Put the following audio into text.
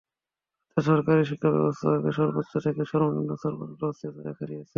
অর্থাৎ সরকারি শিক্ষাব্যবস্থার সর্বোচ্চ থেকে সর্বনিম্ন স্তর পর্যন্ত অস্থিরতা দেখা দিয়েছে।